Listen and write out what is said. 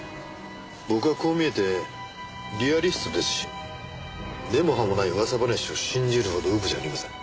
僕はこう見えてリアリストですし根も葉もない噂話を信じるほどうぶじゃありません。